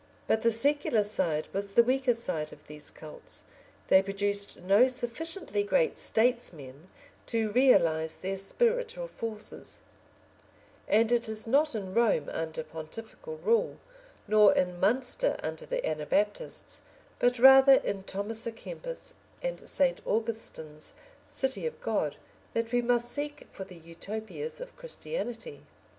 But the secular side was the weaker side of these cults; they produced no sufficiently great statesmen to realise their spiritual forces, and it is not in Rome under pontifical rule, nor in Munster under the Anabaptists, but rather in Thomas a Kempis and Saint Augustin's City of God that we must seek for the Utopias of Christianity.